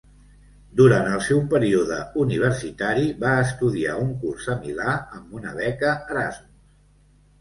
Durant el seu període universitari, va estudiar un curs a Milà amb una beca Erasmus.